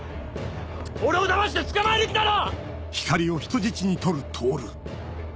俺をだまして捕まえる気だろ！